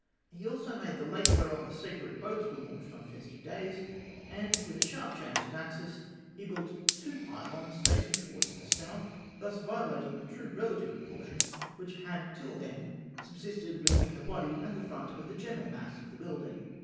He also made the lake whereon the sacred boats were launched on festival days; and, with a sharp change of axis, he built two pylons facing towards the south, thus violating the true relative proportion which had till then subsisted between the body and the front of the general mass of the building.